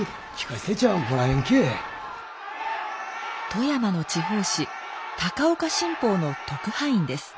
富山の地方紙「高岡新報」の特派員です。